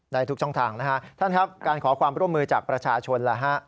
ในทุกช่องถังท่านครับการขอความร่วมมือจากประชาชน